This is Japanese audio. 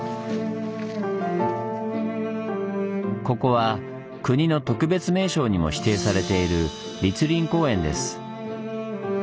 ここは国の特別名勝にも指定されている栗林公園です。